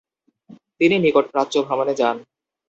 তিনি নিকট প্রাচ্য ভ্রমণে যান।